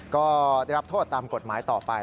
ก็ได้รับโทษตามกฎหมายต่อไป